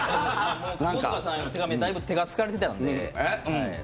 森田さんへの手紙はだいぶ手が疲れてたんで。